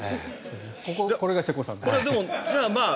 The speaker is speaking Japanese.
これが瀬古さん。